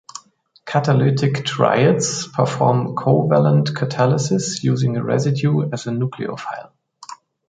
Catalytic triads perform covalent catalysis using a residue as a nucleophile.